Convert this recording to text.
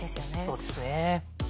そうですね。